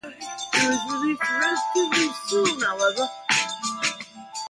He was released relatively soon however.